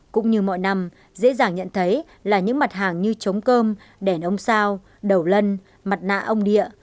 cũng như mọi năm dễ dàng nhận thấy là những mặt hàng như chống cơm đèn ông sao đầu lân mặt nạ ông địa